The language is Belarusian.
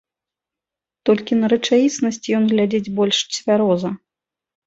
Толькі на рэчаіснасць ён глядзіць больш цвяроза.